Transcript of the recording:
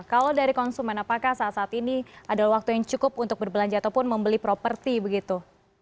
kalau dari konsumen apakah saat saat ini adalah waktu yang cukup untuk berbelanja ataupun membeli properti begitu